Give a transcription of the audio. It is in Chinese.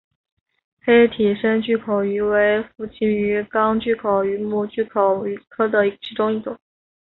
黑体深巨口鱼为辐鳍鱼纲巨口鱼目巨口鱼科的其中一种。